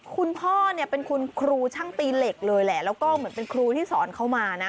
คุณพ่อเนี่ยเป็นคุณครูช่างตีเหล็กเลยแหละแล้วก็เหมือนเป็นครูที่สอนเข้ามานะ